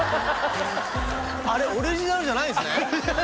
あれオリジナルじゃないんですね？